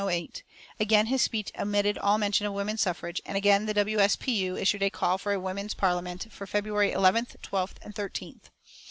Again his speech omitted all mention of woman suffrage, and again the W. S. P. U. issued a call for a Women's Parliament, for February 11th, 12th and 13th.